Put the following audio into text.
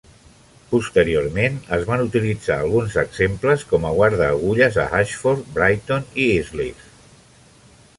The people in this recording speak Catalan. Posteriorment, es van utilitzar alguns exemples com a guardaagulles a Ashford, Brighton i Eastleigh.